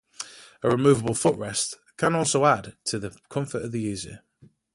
A removable footrest can also add to the comfort of the user.